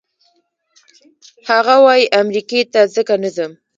هغه وايي امریکې ته ځکه نه ځم.